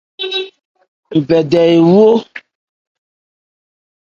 Nbɛdɛ ewɔyɔ.